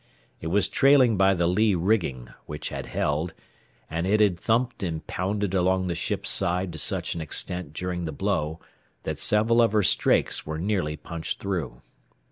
It was trailing by the lee rigging, which had held, and it had thumped and pounded along the ship's side to such an extent during the blow that several of her strakes were nearly punched through.